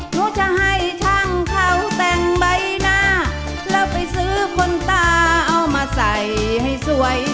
หนูจะให้ช่างเขาแต่งใบหน้าแล้วไปซื้อคนตาเอามาใส่ให้สวย